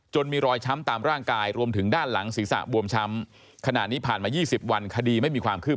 จนมีรอยช้ำตามร่างกายรวมถึงด้านหลังศีรษะบวมช้ำ